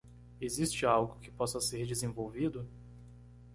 Existe algo que possa ser desenvolvido?